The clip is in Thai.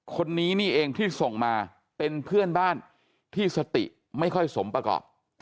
คนนี้นี่เองที่ส่งมาเป็นเพื่อนบ้านที่สติไม่ค่อยสมประกอบ